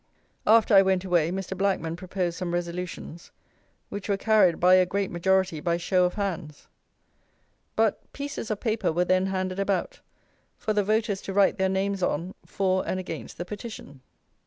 After I went away Mr. Blackman proposed some resolutions, which were carried by a great majority by show of hands. But, pieces of paper were then handed about, for the voters to write their names on for and against the petition.